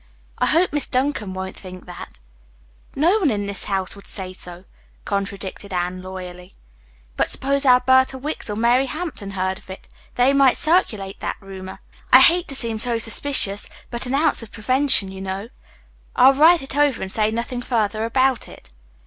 I hope Miss Duncan won't think that." "No one in this house would say so," contradicted Anne loyally. "But suppose Alberta Wicks or Mary Hampton heard of it? They might circulate that rumor. I hate to seem so suspicious, but an ounce of prevention, you know. I will write it over and say nothing further about it."